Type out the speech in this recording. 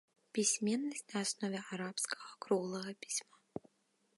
Пісьменнасць на аснове арабскага круглага пісьма.